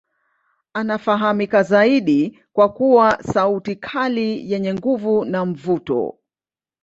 Anafahamika zaidi kwa kuwa sauti kali yenye nguvu na mvuto.